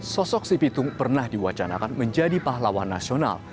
sosok si pitung pernah diwacanakan menjadi pahlawan nasional